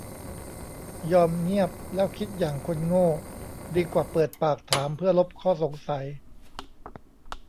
ยอมเงียบแล้วคิดอย่างคนโง่ดีกว่าเปิดปากถามเพื่อลบข้อสงสัย